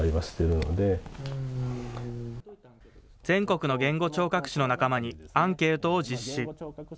全国の言語聴覚士の仲間にアンケートを実施。